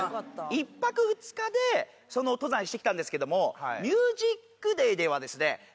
１泊２日で登山してきたんですけども『ＭＵＳＩＣＤＡＹ』ではですね